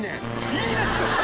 いいですね！